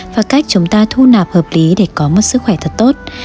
và cách chúng ta thu nạp hợp lý để có một sức khỏe thật tốt